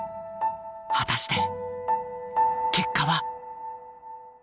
果たして結果は？